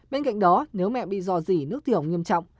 bên cạnh đó nếu mẹ bị do gì nước tiểu nghiêm trọng